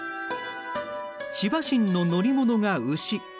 シバ神の乗り物が牛。